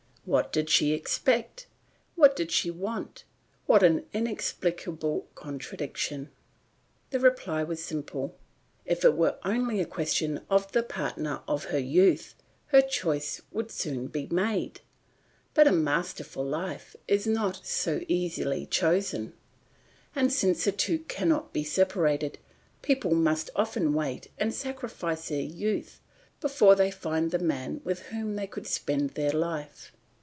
What did she expect? What did she want? What an inexplicable contradiction? The reply was simple. If it were only a question of the partner of her youth, her choice would soon be made; but a master for life is not so easily chosen; and since the two cannot be separated, people must often wait and sacrifice their youth before they find the man with whom they could spend their life.